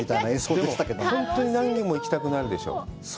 でも、本当に何軒も行きたくなるでしょう？